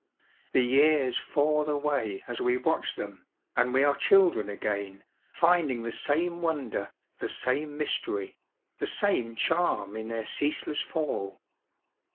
The years fall away as we watch them, and we are children again, finding the same wonder, the same mystery, the same charm in their ceaseless fall.